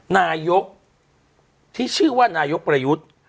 นายกที่ชื่อว่านายกประยุทธ์